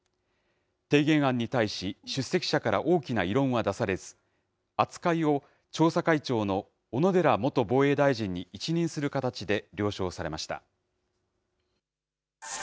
提言案に対し、出席者から大きな異論は出されず、扱いを調査会長の小野寺元防衛大臣に一任する形で了承されました。